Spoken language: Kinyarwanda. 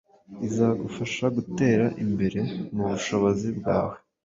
izagufasha gutera imbere mu bushobozi bwawe